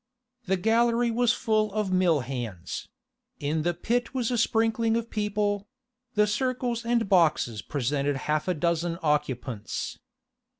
The gallery was fall of mill hands; in the pit was a sprinkling of people; the circles and boxes presented half a dozen occupants.